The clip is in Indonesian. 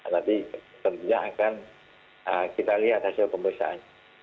nanti tentunya akan kita lihat hasil pemeriksaan